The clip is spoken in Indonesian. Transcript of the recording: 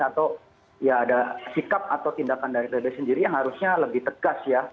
atau ya ada sikap atau tindakan dari pbb sendiri yang harusnya lebih tegas ya